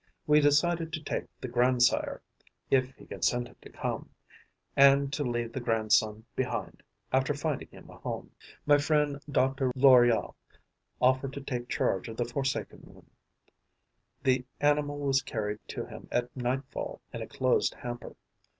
We decided to take the grandsire, if he consented to come, and to leave the grandson behind, after finding him a home. My friend Dr. Loriol offered to take charge of the forsaken one. The animal was carried to him at nightfall in a closed hamper.